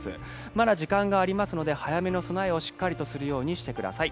まだ時間がありますので早めの備えをしっかりとするようにしてください。